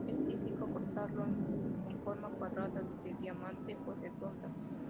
Es típico cortarlo con forma cuadrada, de diamante o redonda.